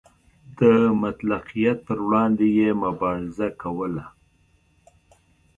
د مطلقیت پر وړاندې یې مبارزه کوله.